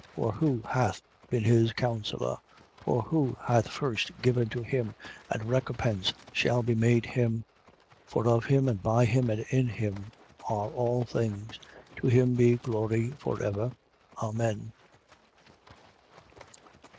Or who hath been his counsellor? 11:35. Or who hath first given to him, and recompense shall be made him? 11:36. For of him, and by him, and in him, are all things: to him be glory for ever. Amen.